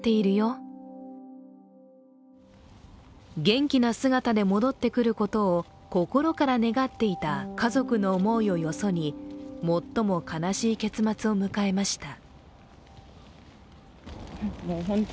元気な姿で戻ってくることを心から願っていた家族の思いをよそに、最も悲しい結末を迎えました。